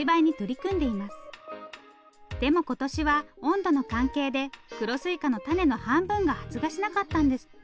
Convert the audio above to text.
でも今年は温度の関係で黒すいかの種の半分が発芽しなかったんですって。